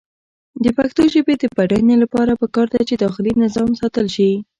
د پښتو ژبې د بډاینې لپاره پکار ده چې داخلي نظام ساتل شي.